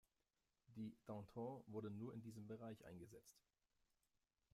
Die "Danton" wurde nur in diesem Bereich eingesetzt.